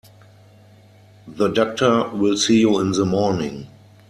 The doctor will see you in the morning.